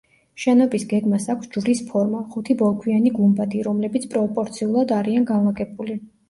შენობის გეგმას აქვს ჯვრის ფორმა, ხუთი ბოლქვიანი გუმბათი, რომლებიც პროპორციულად არიან განლაგებული.